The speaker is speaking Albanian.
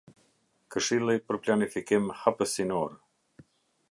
Këshilli për planifikim hapësinor.